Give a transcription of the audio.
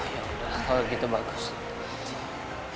ya udah lah kalau gitu bagus